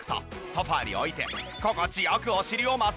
ソファに置いて心地良くお尻をマッサージ。